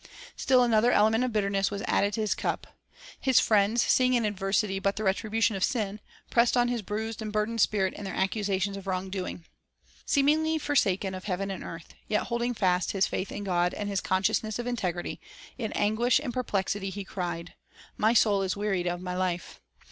"" Still another element of bitterness was added to his cup. His friends, seeing in adversity but the retribution of sin, pressed on his bruised and burdened spirit their accusations of wrong doing. Seemingly forsaken of heaven and earth, yet holding fast his faith in God and his consciousness of integrity, in anguish and perplexity he cried: — "My soul is weary of my life."